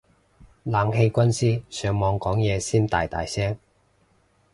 冷氣軍師上網講嘢先大大聲